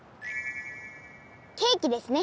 ケーキですね！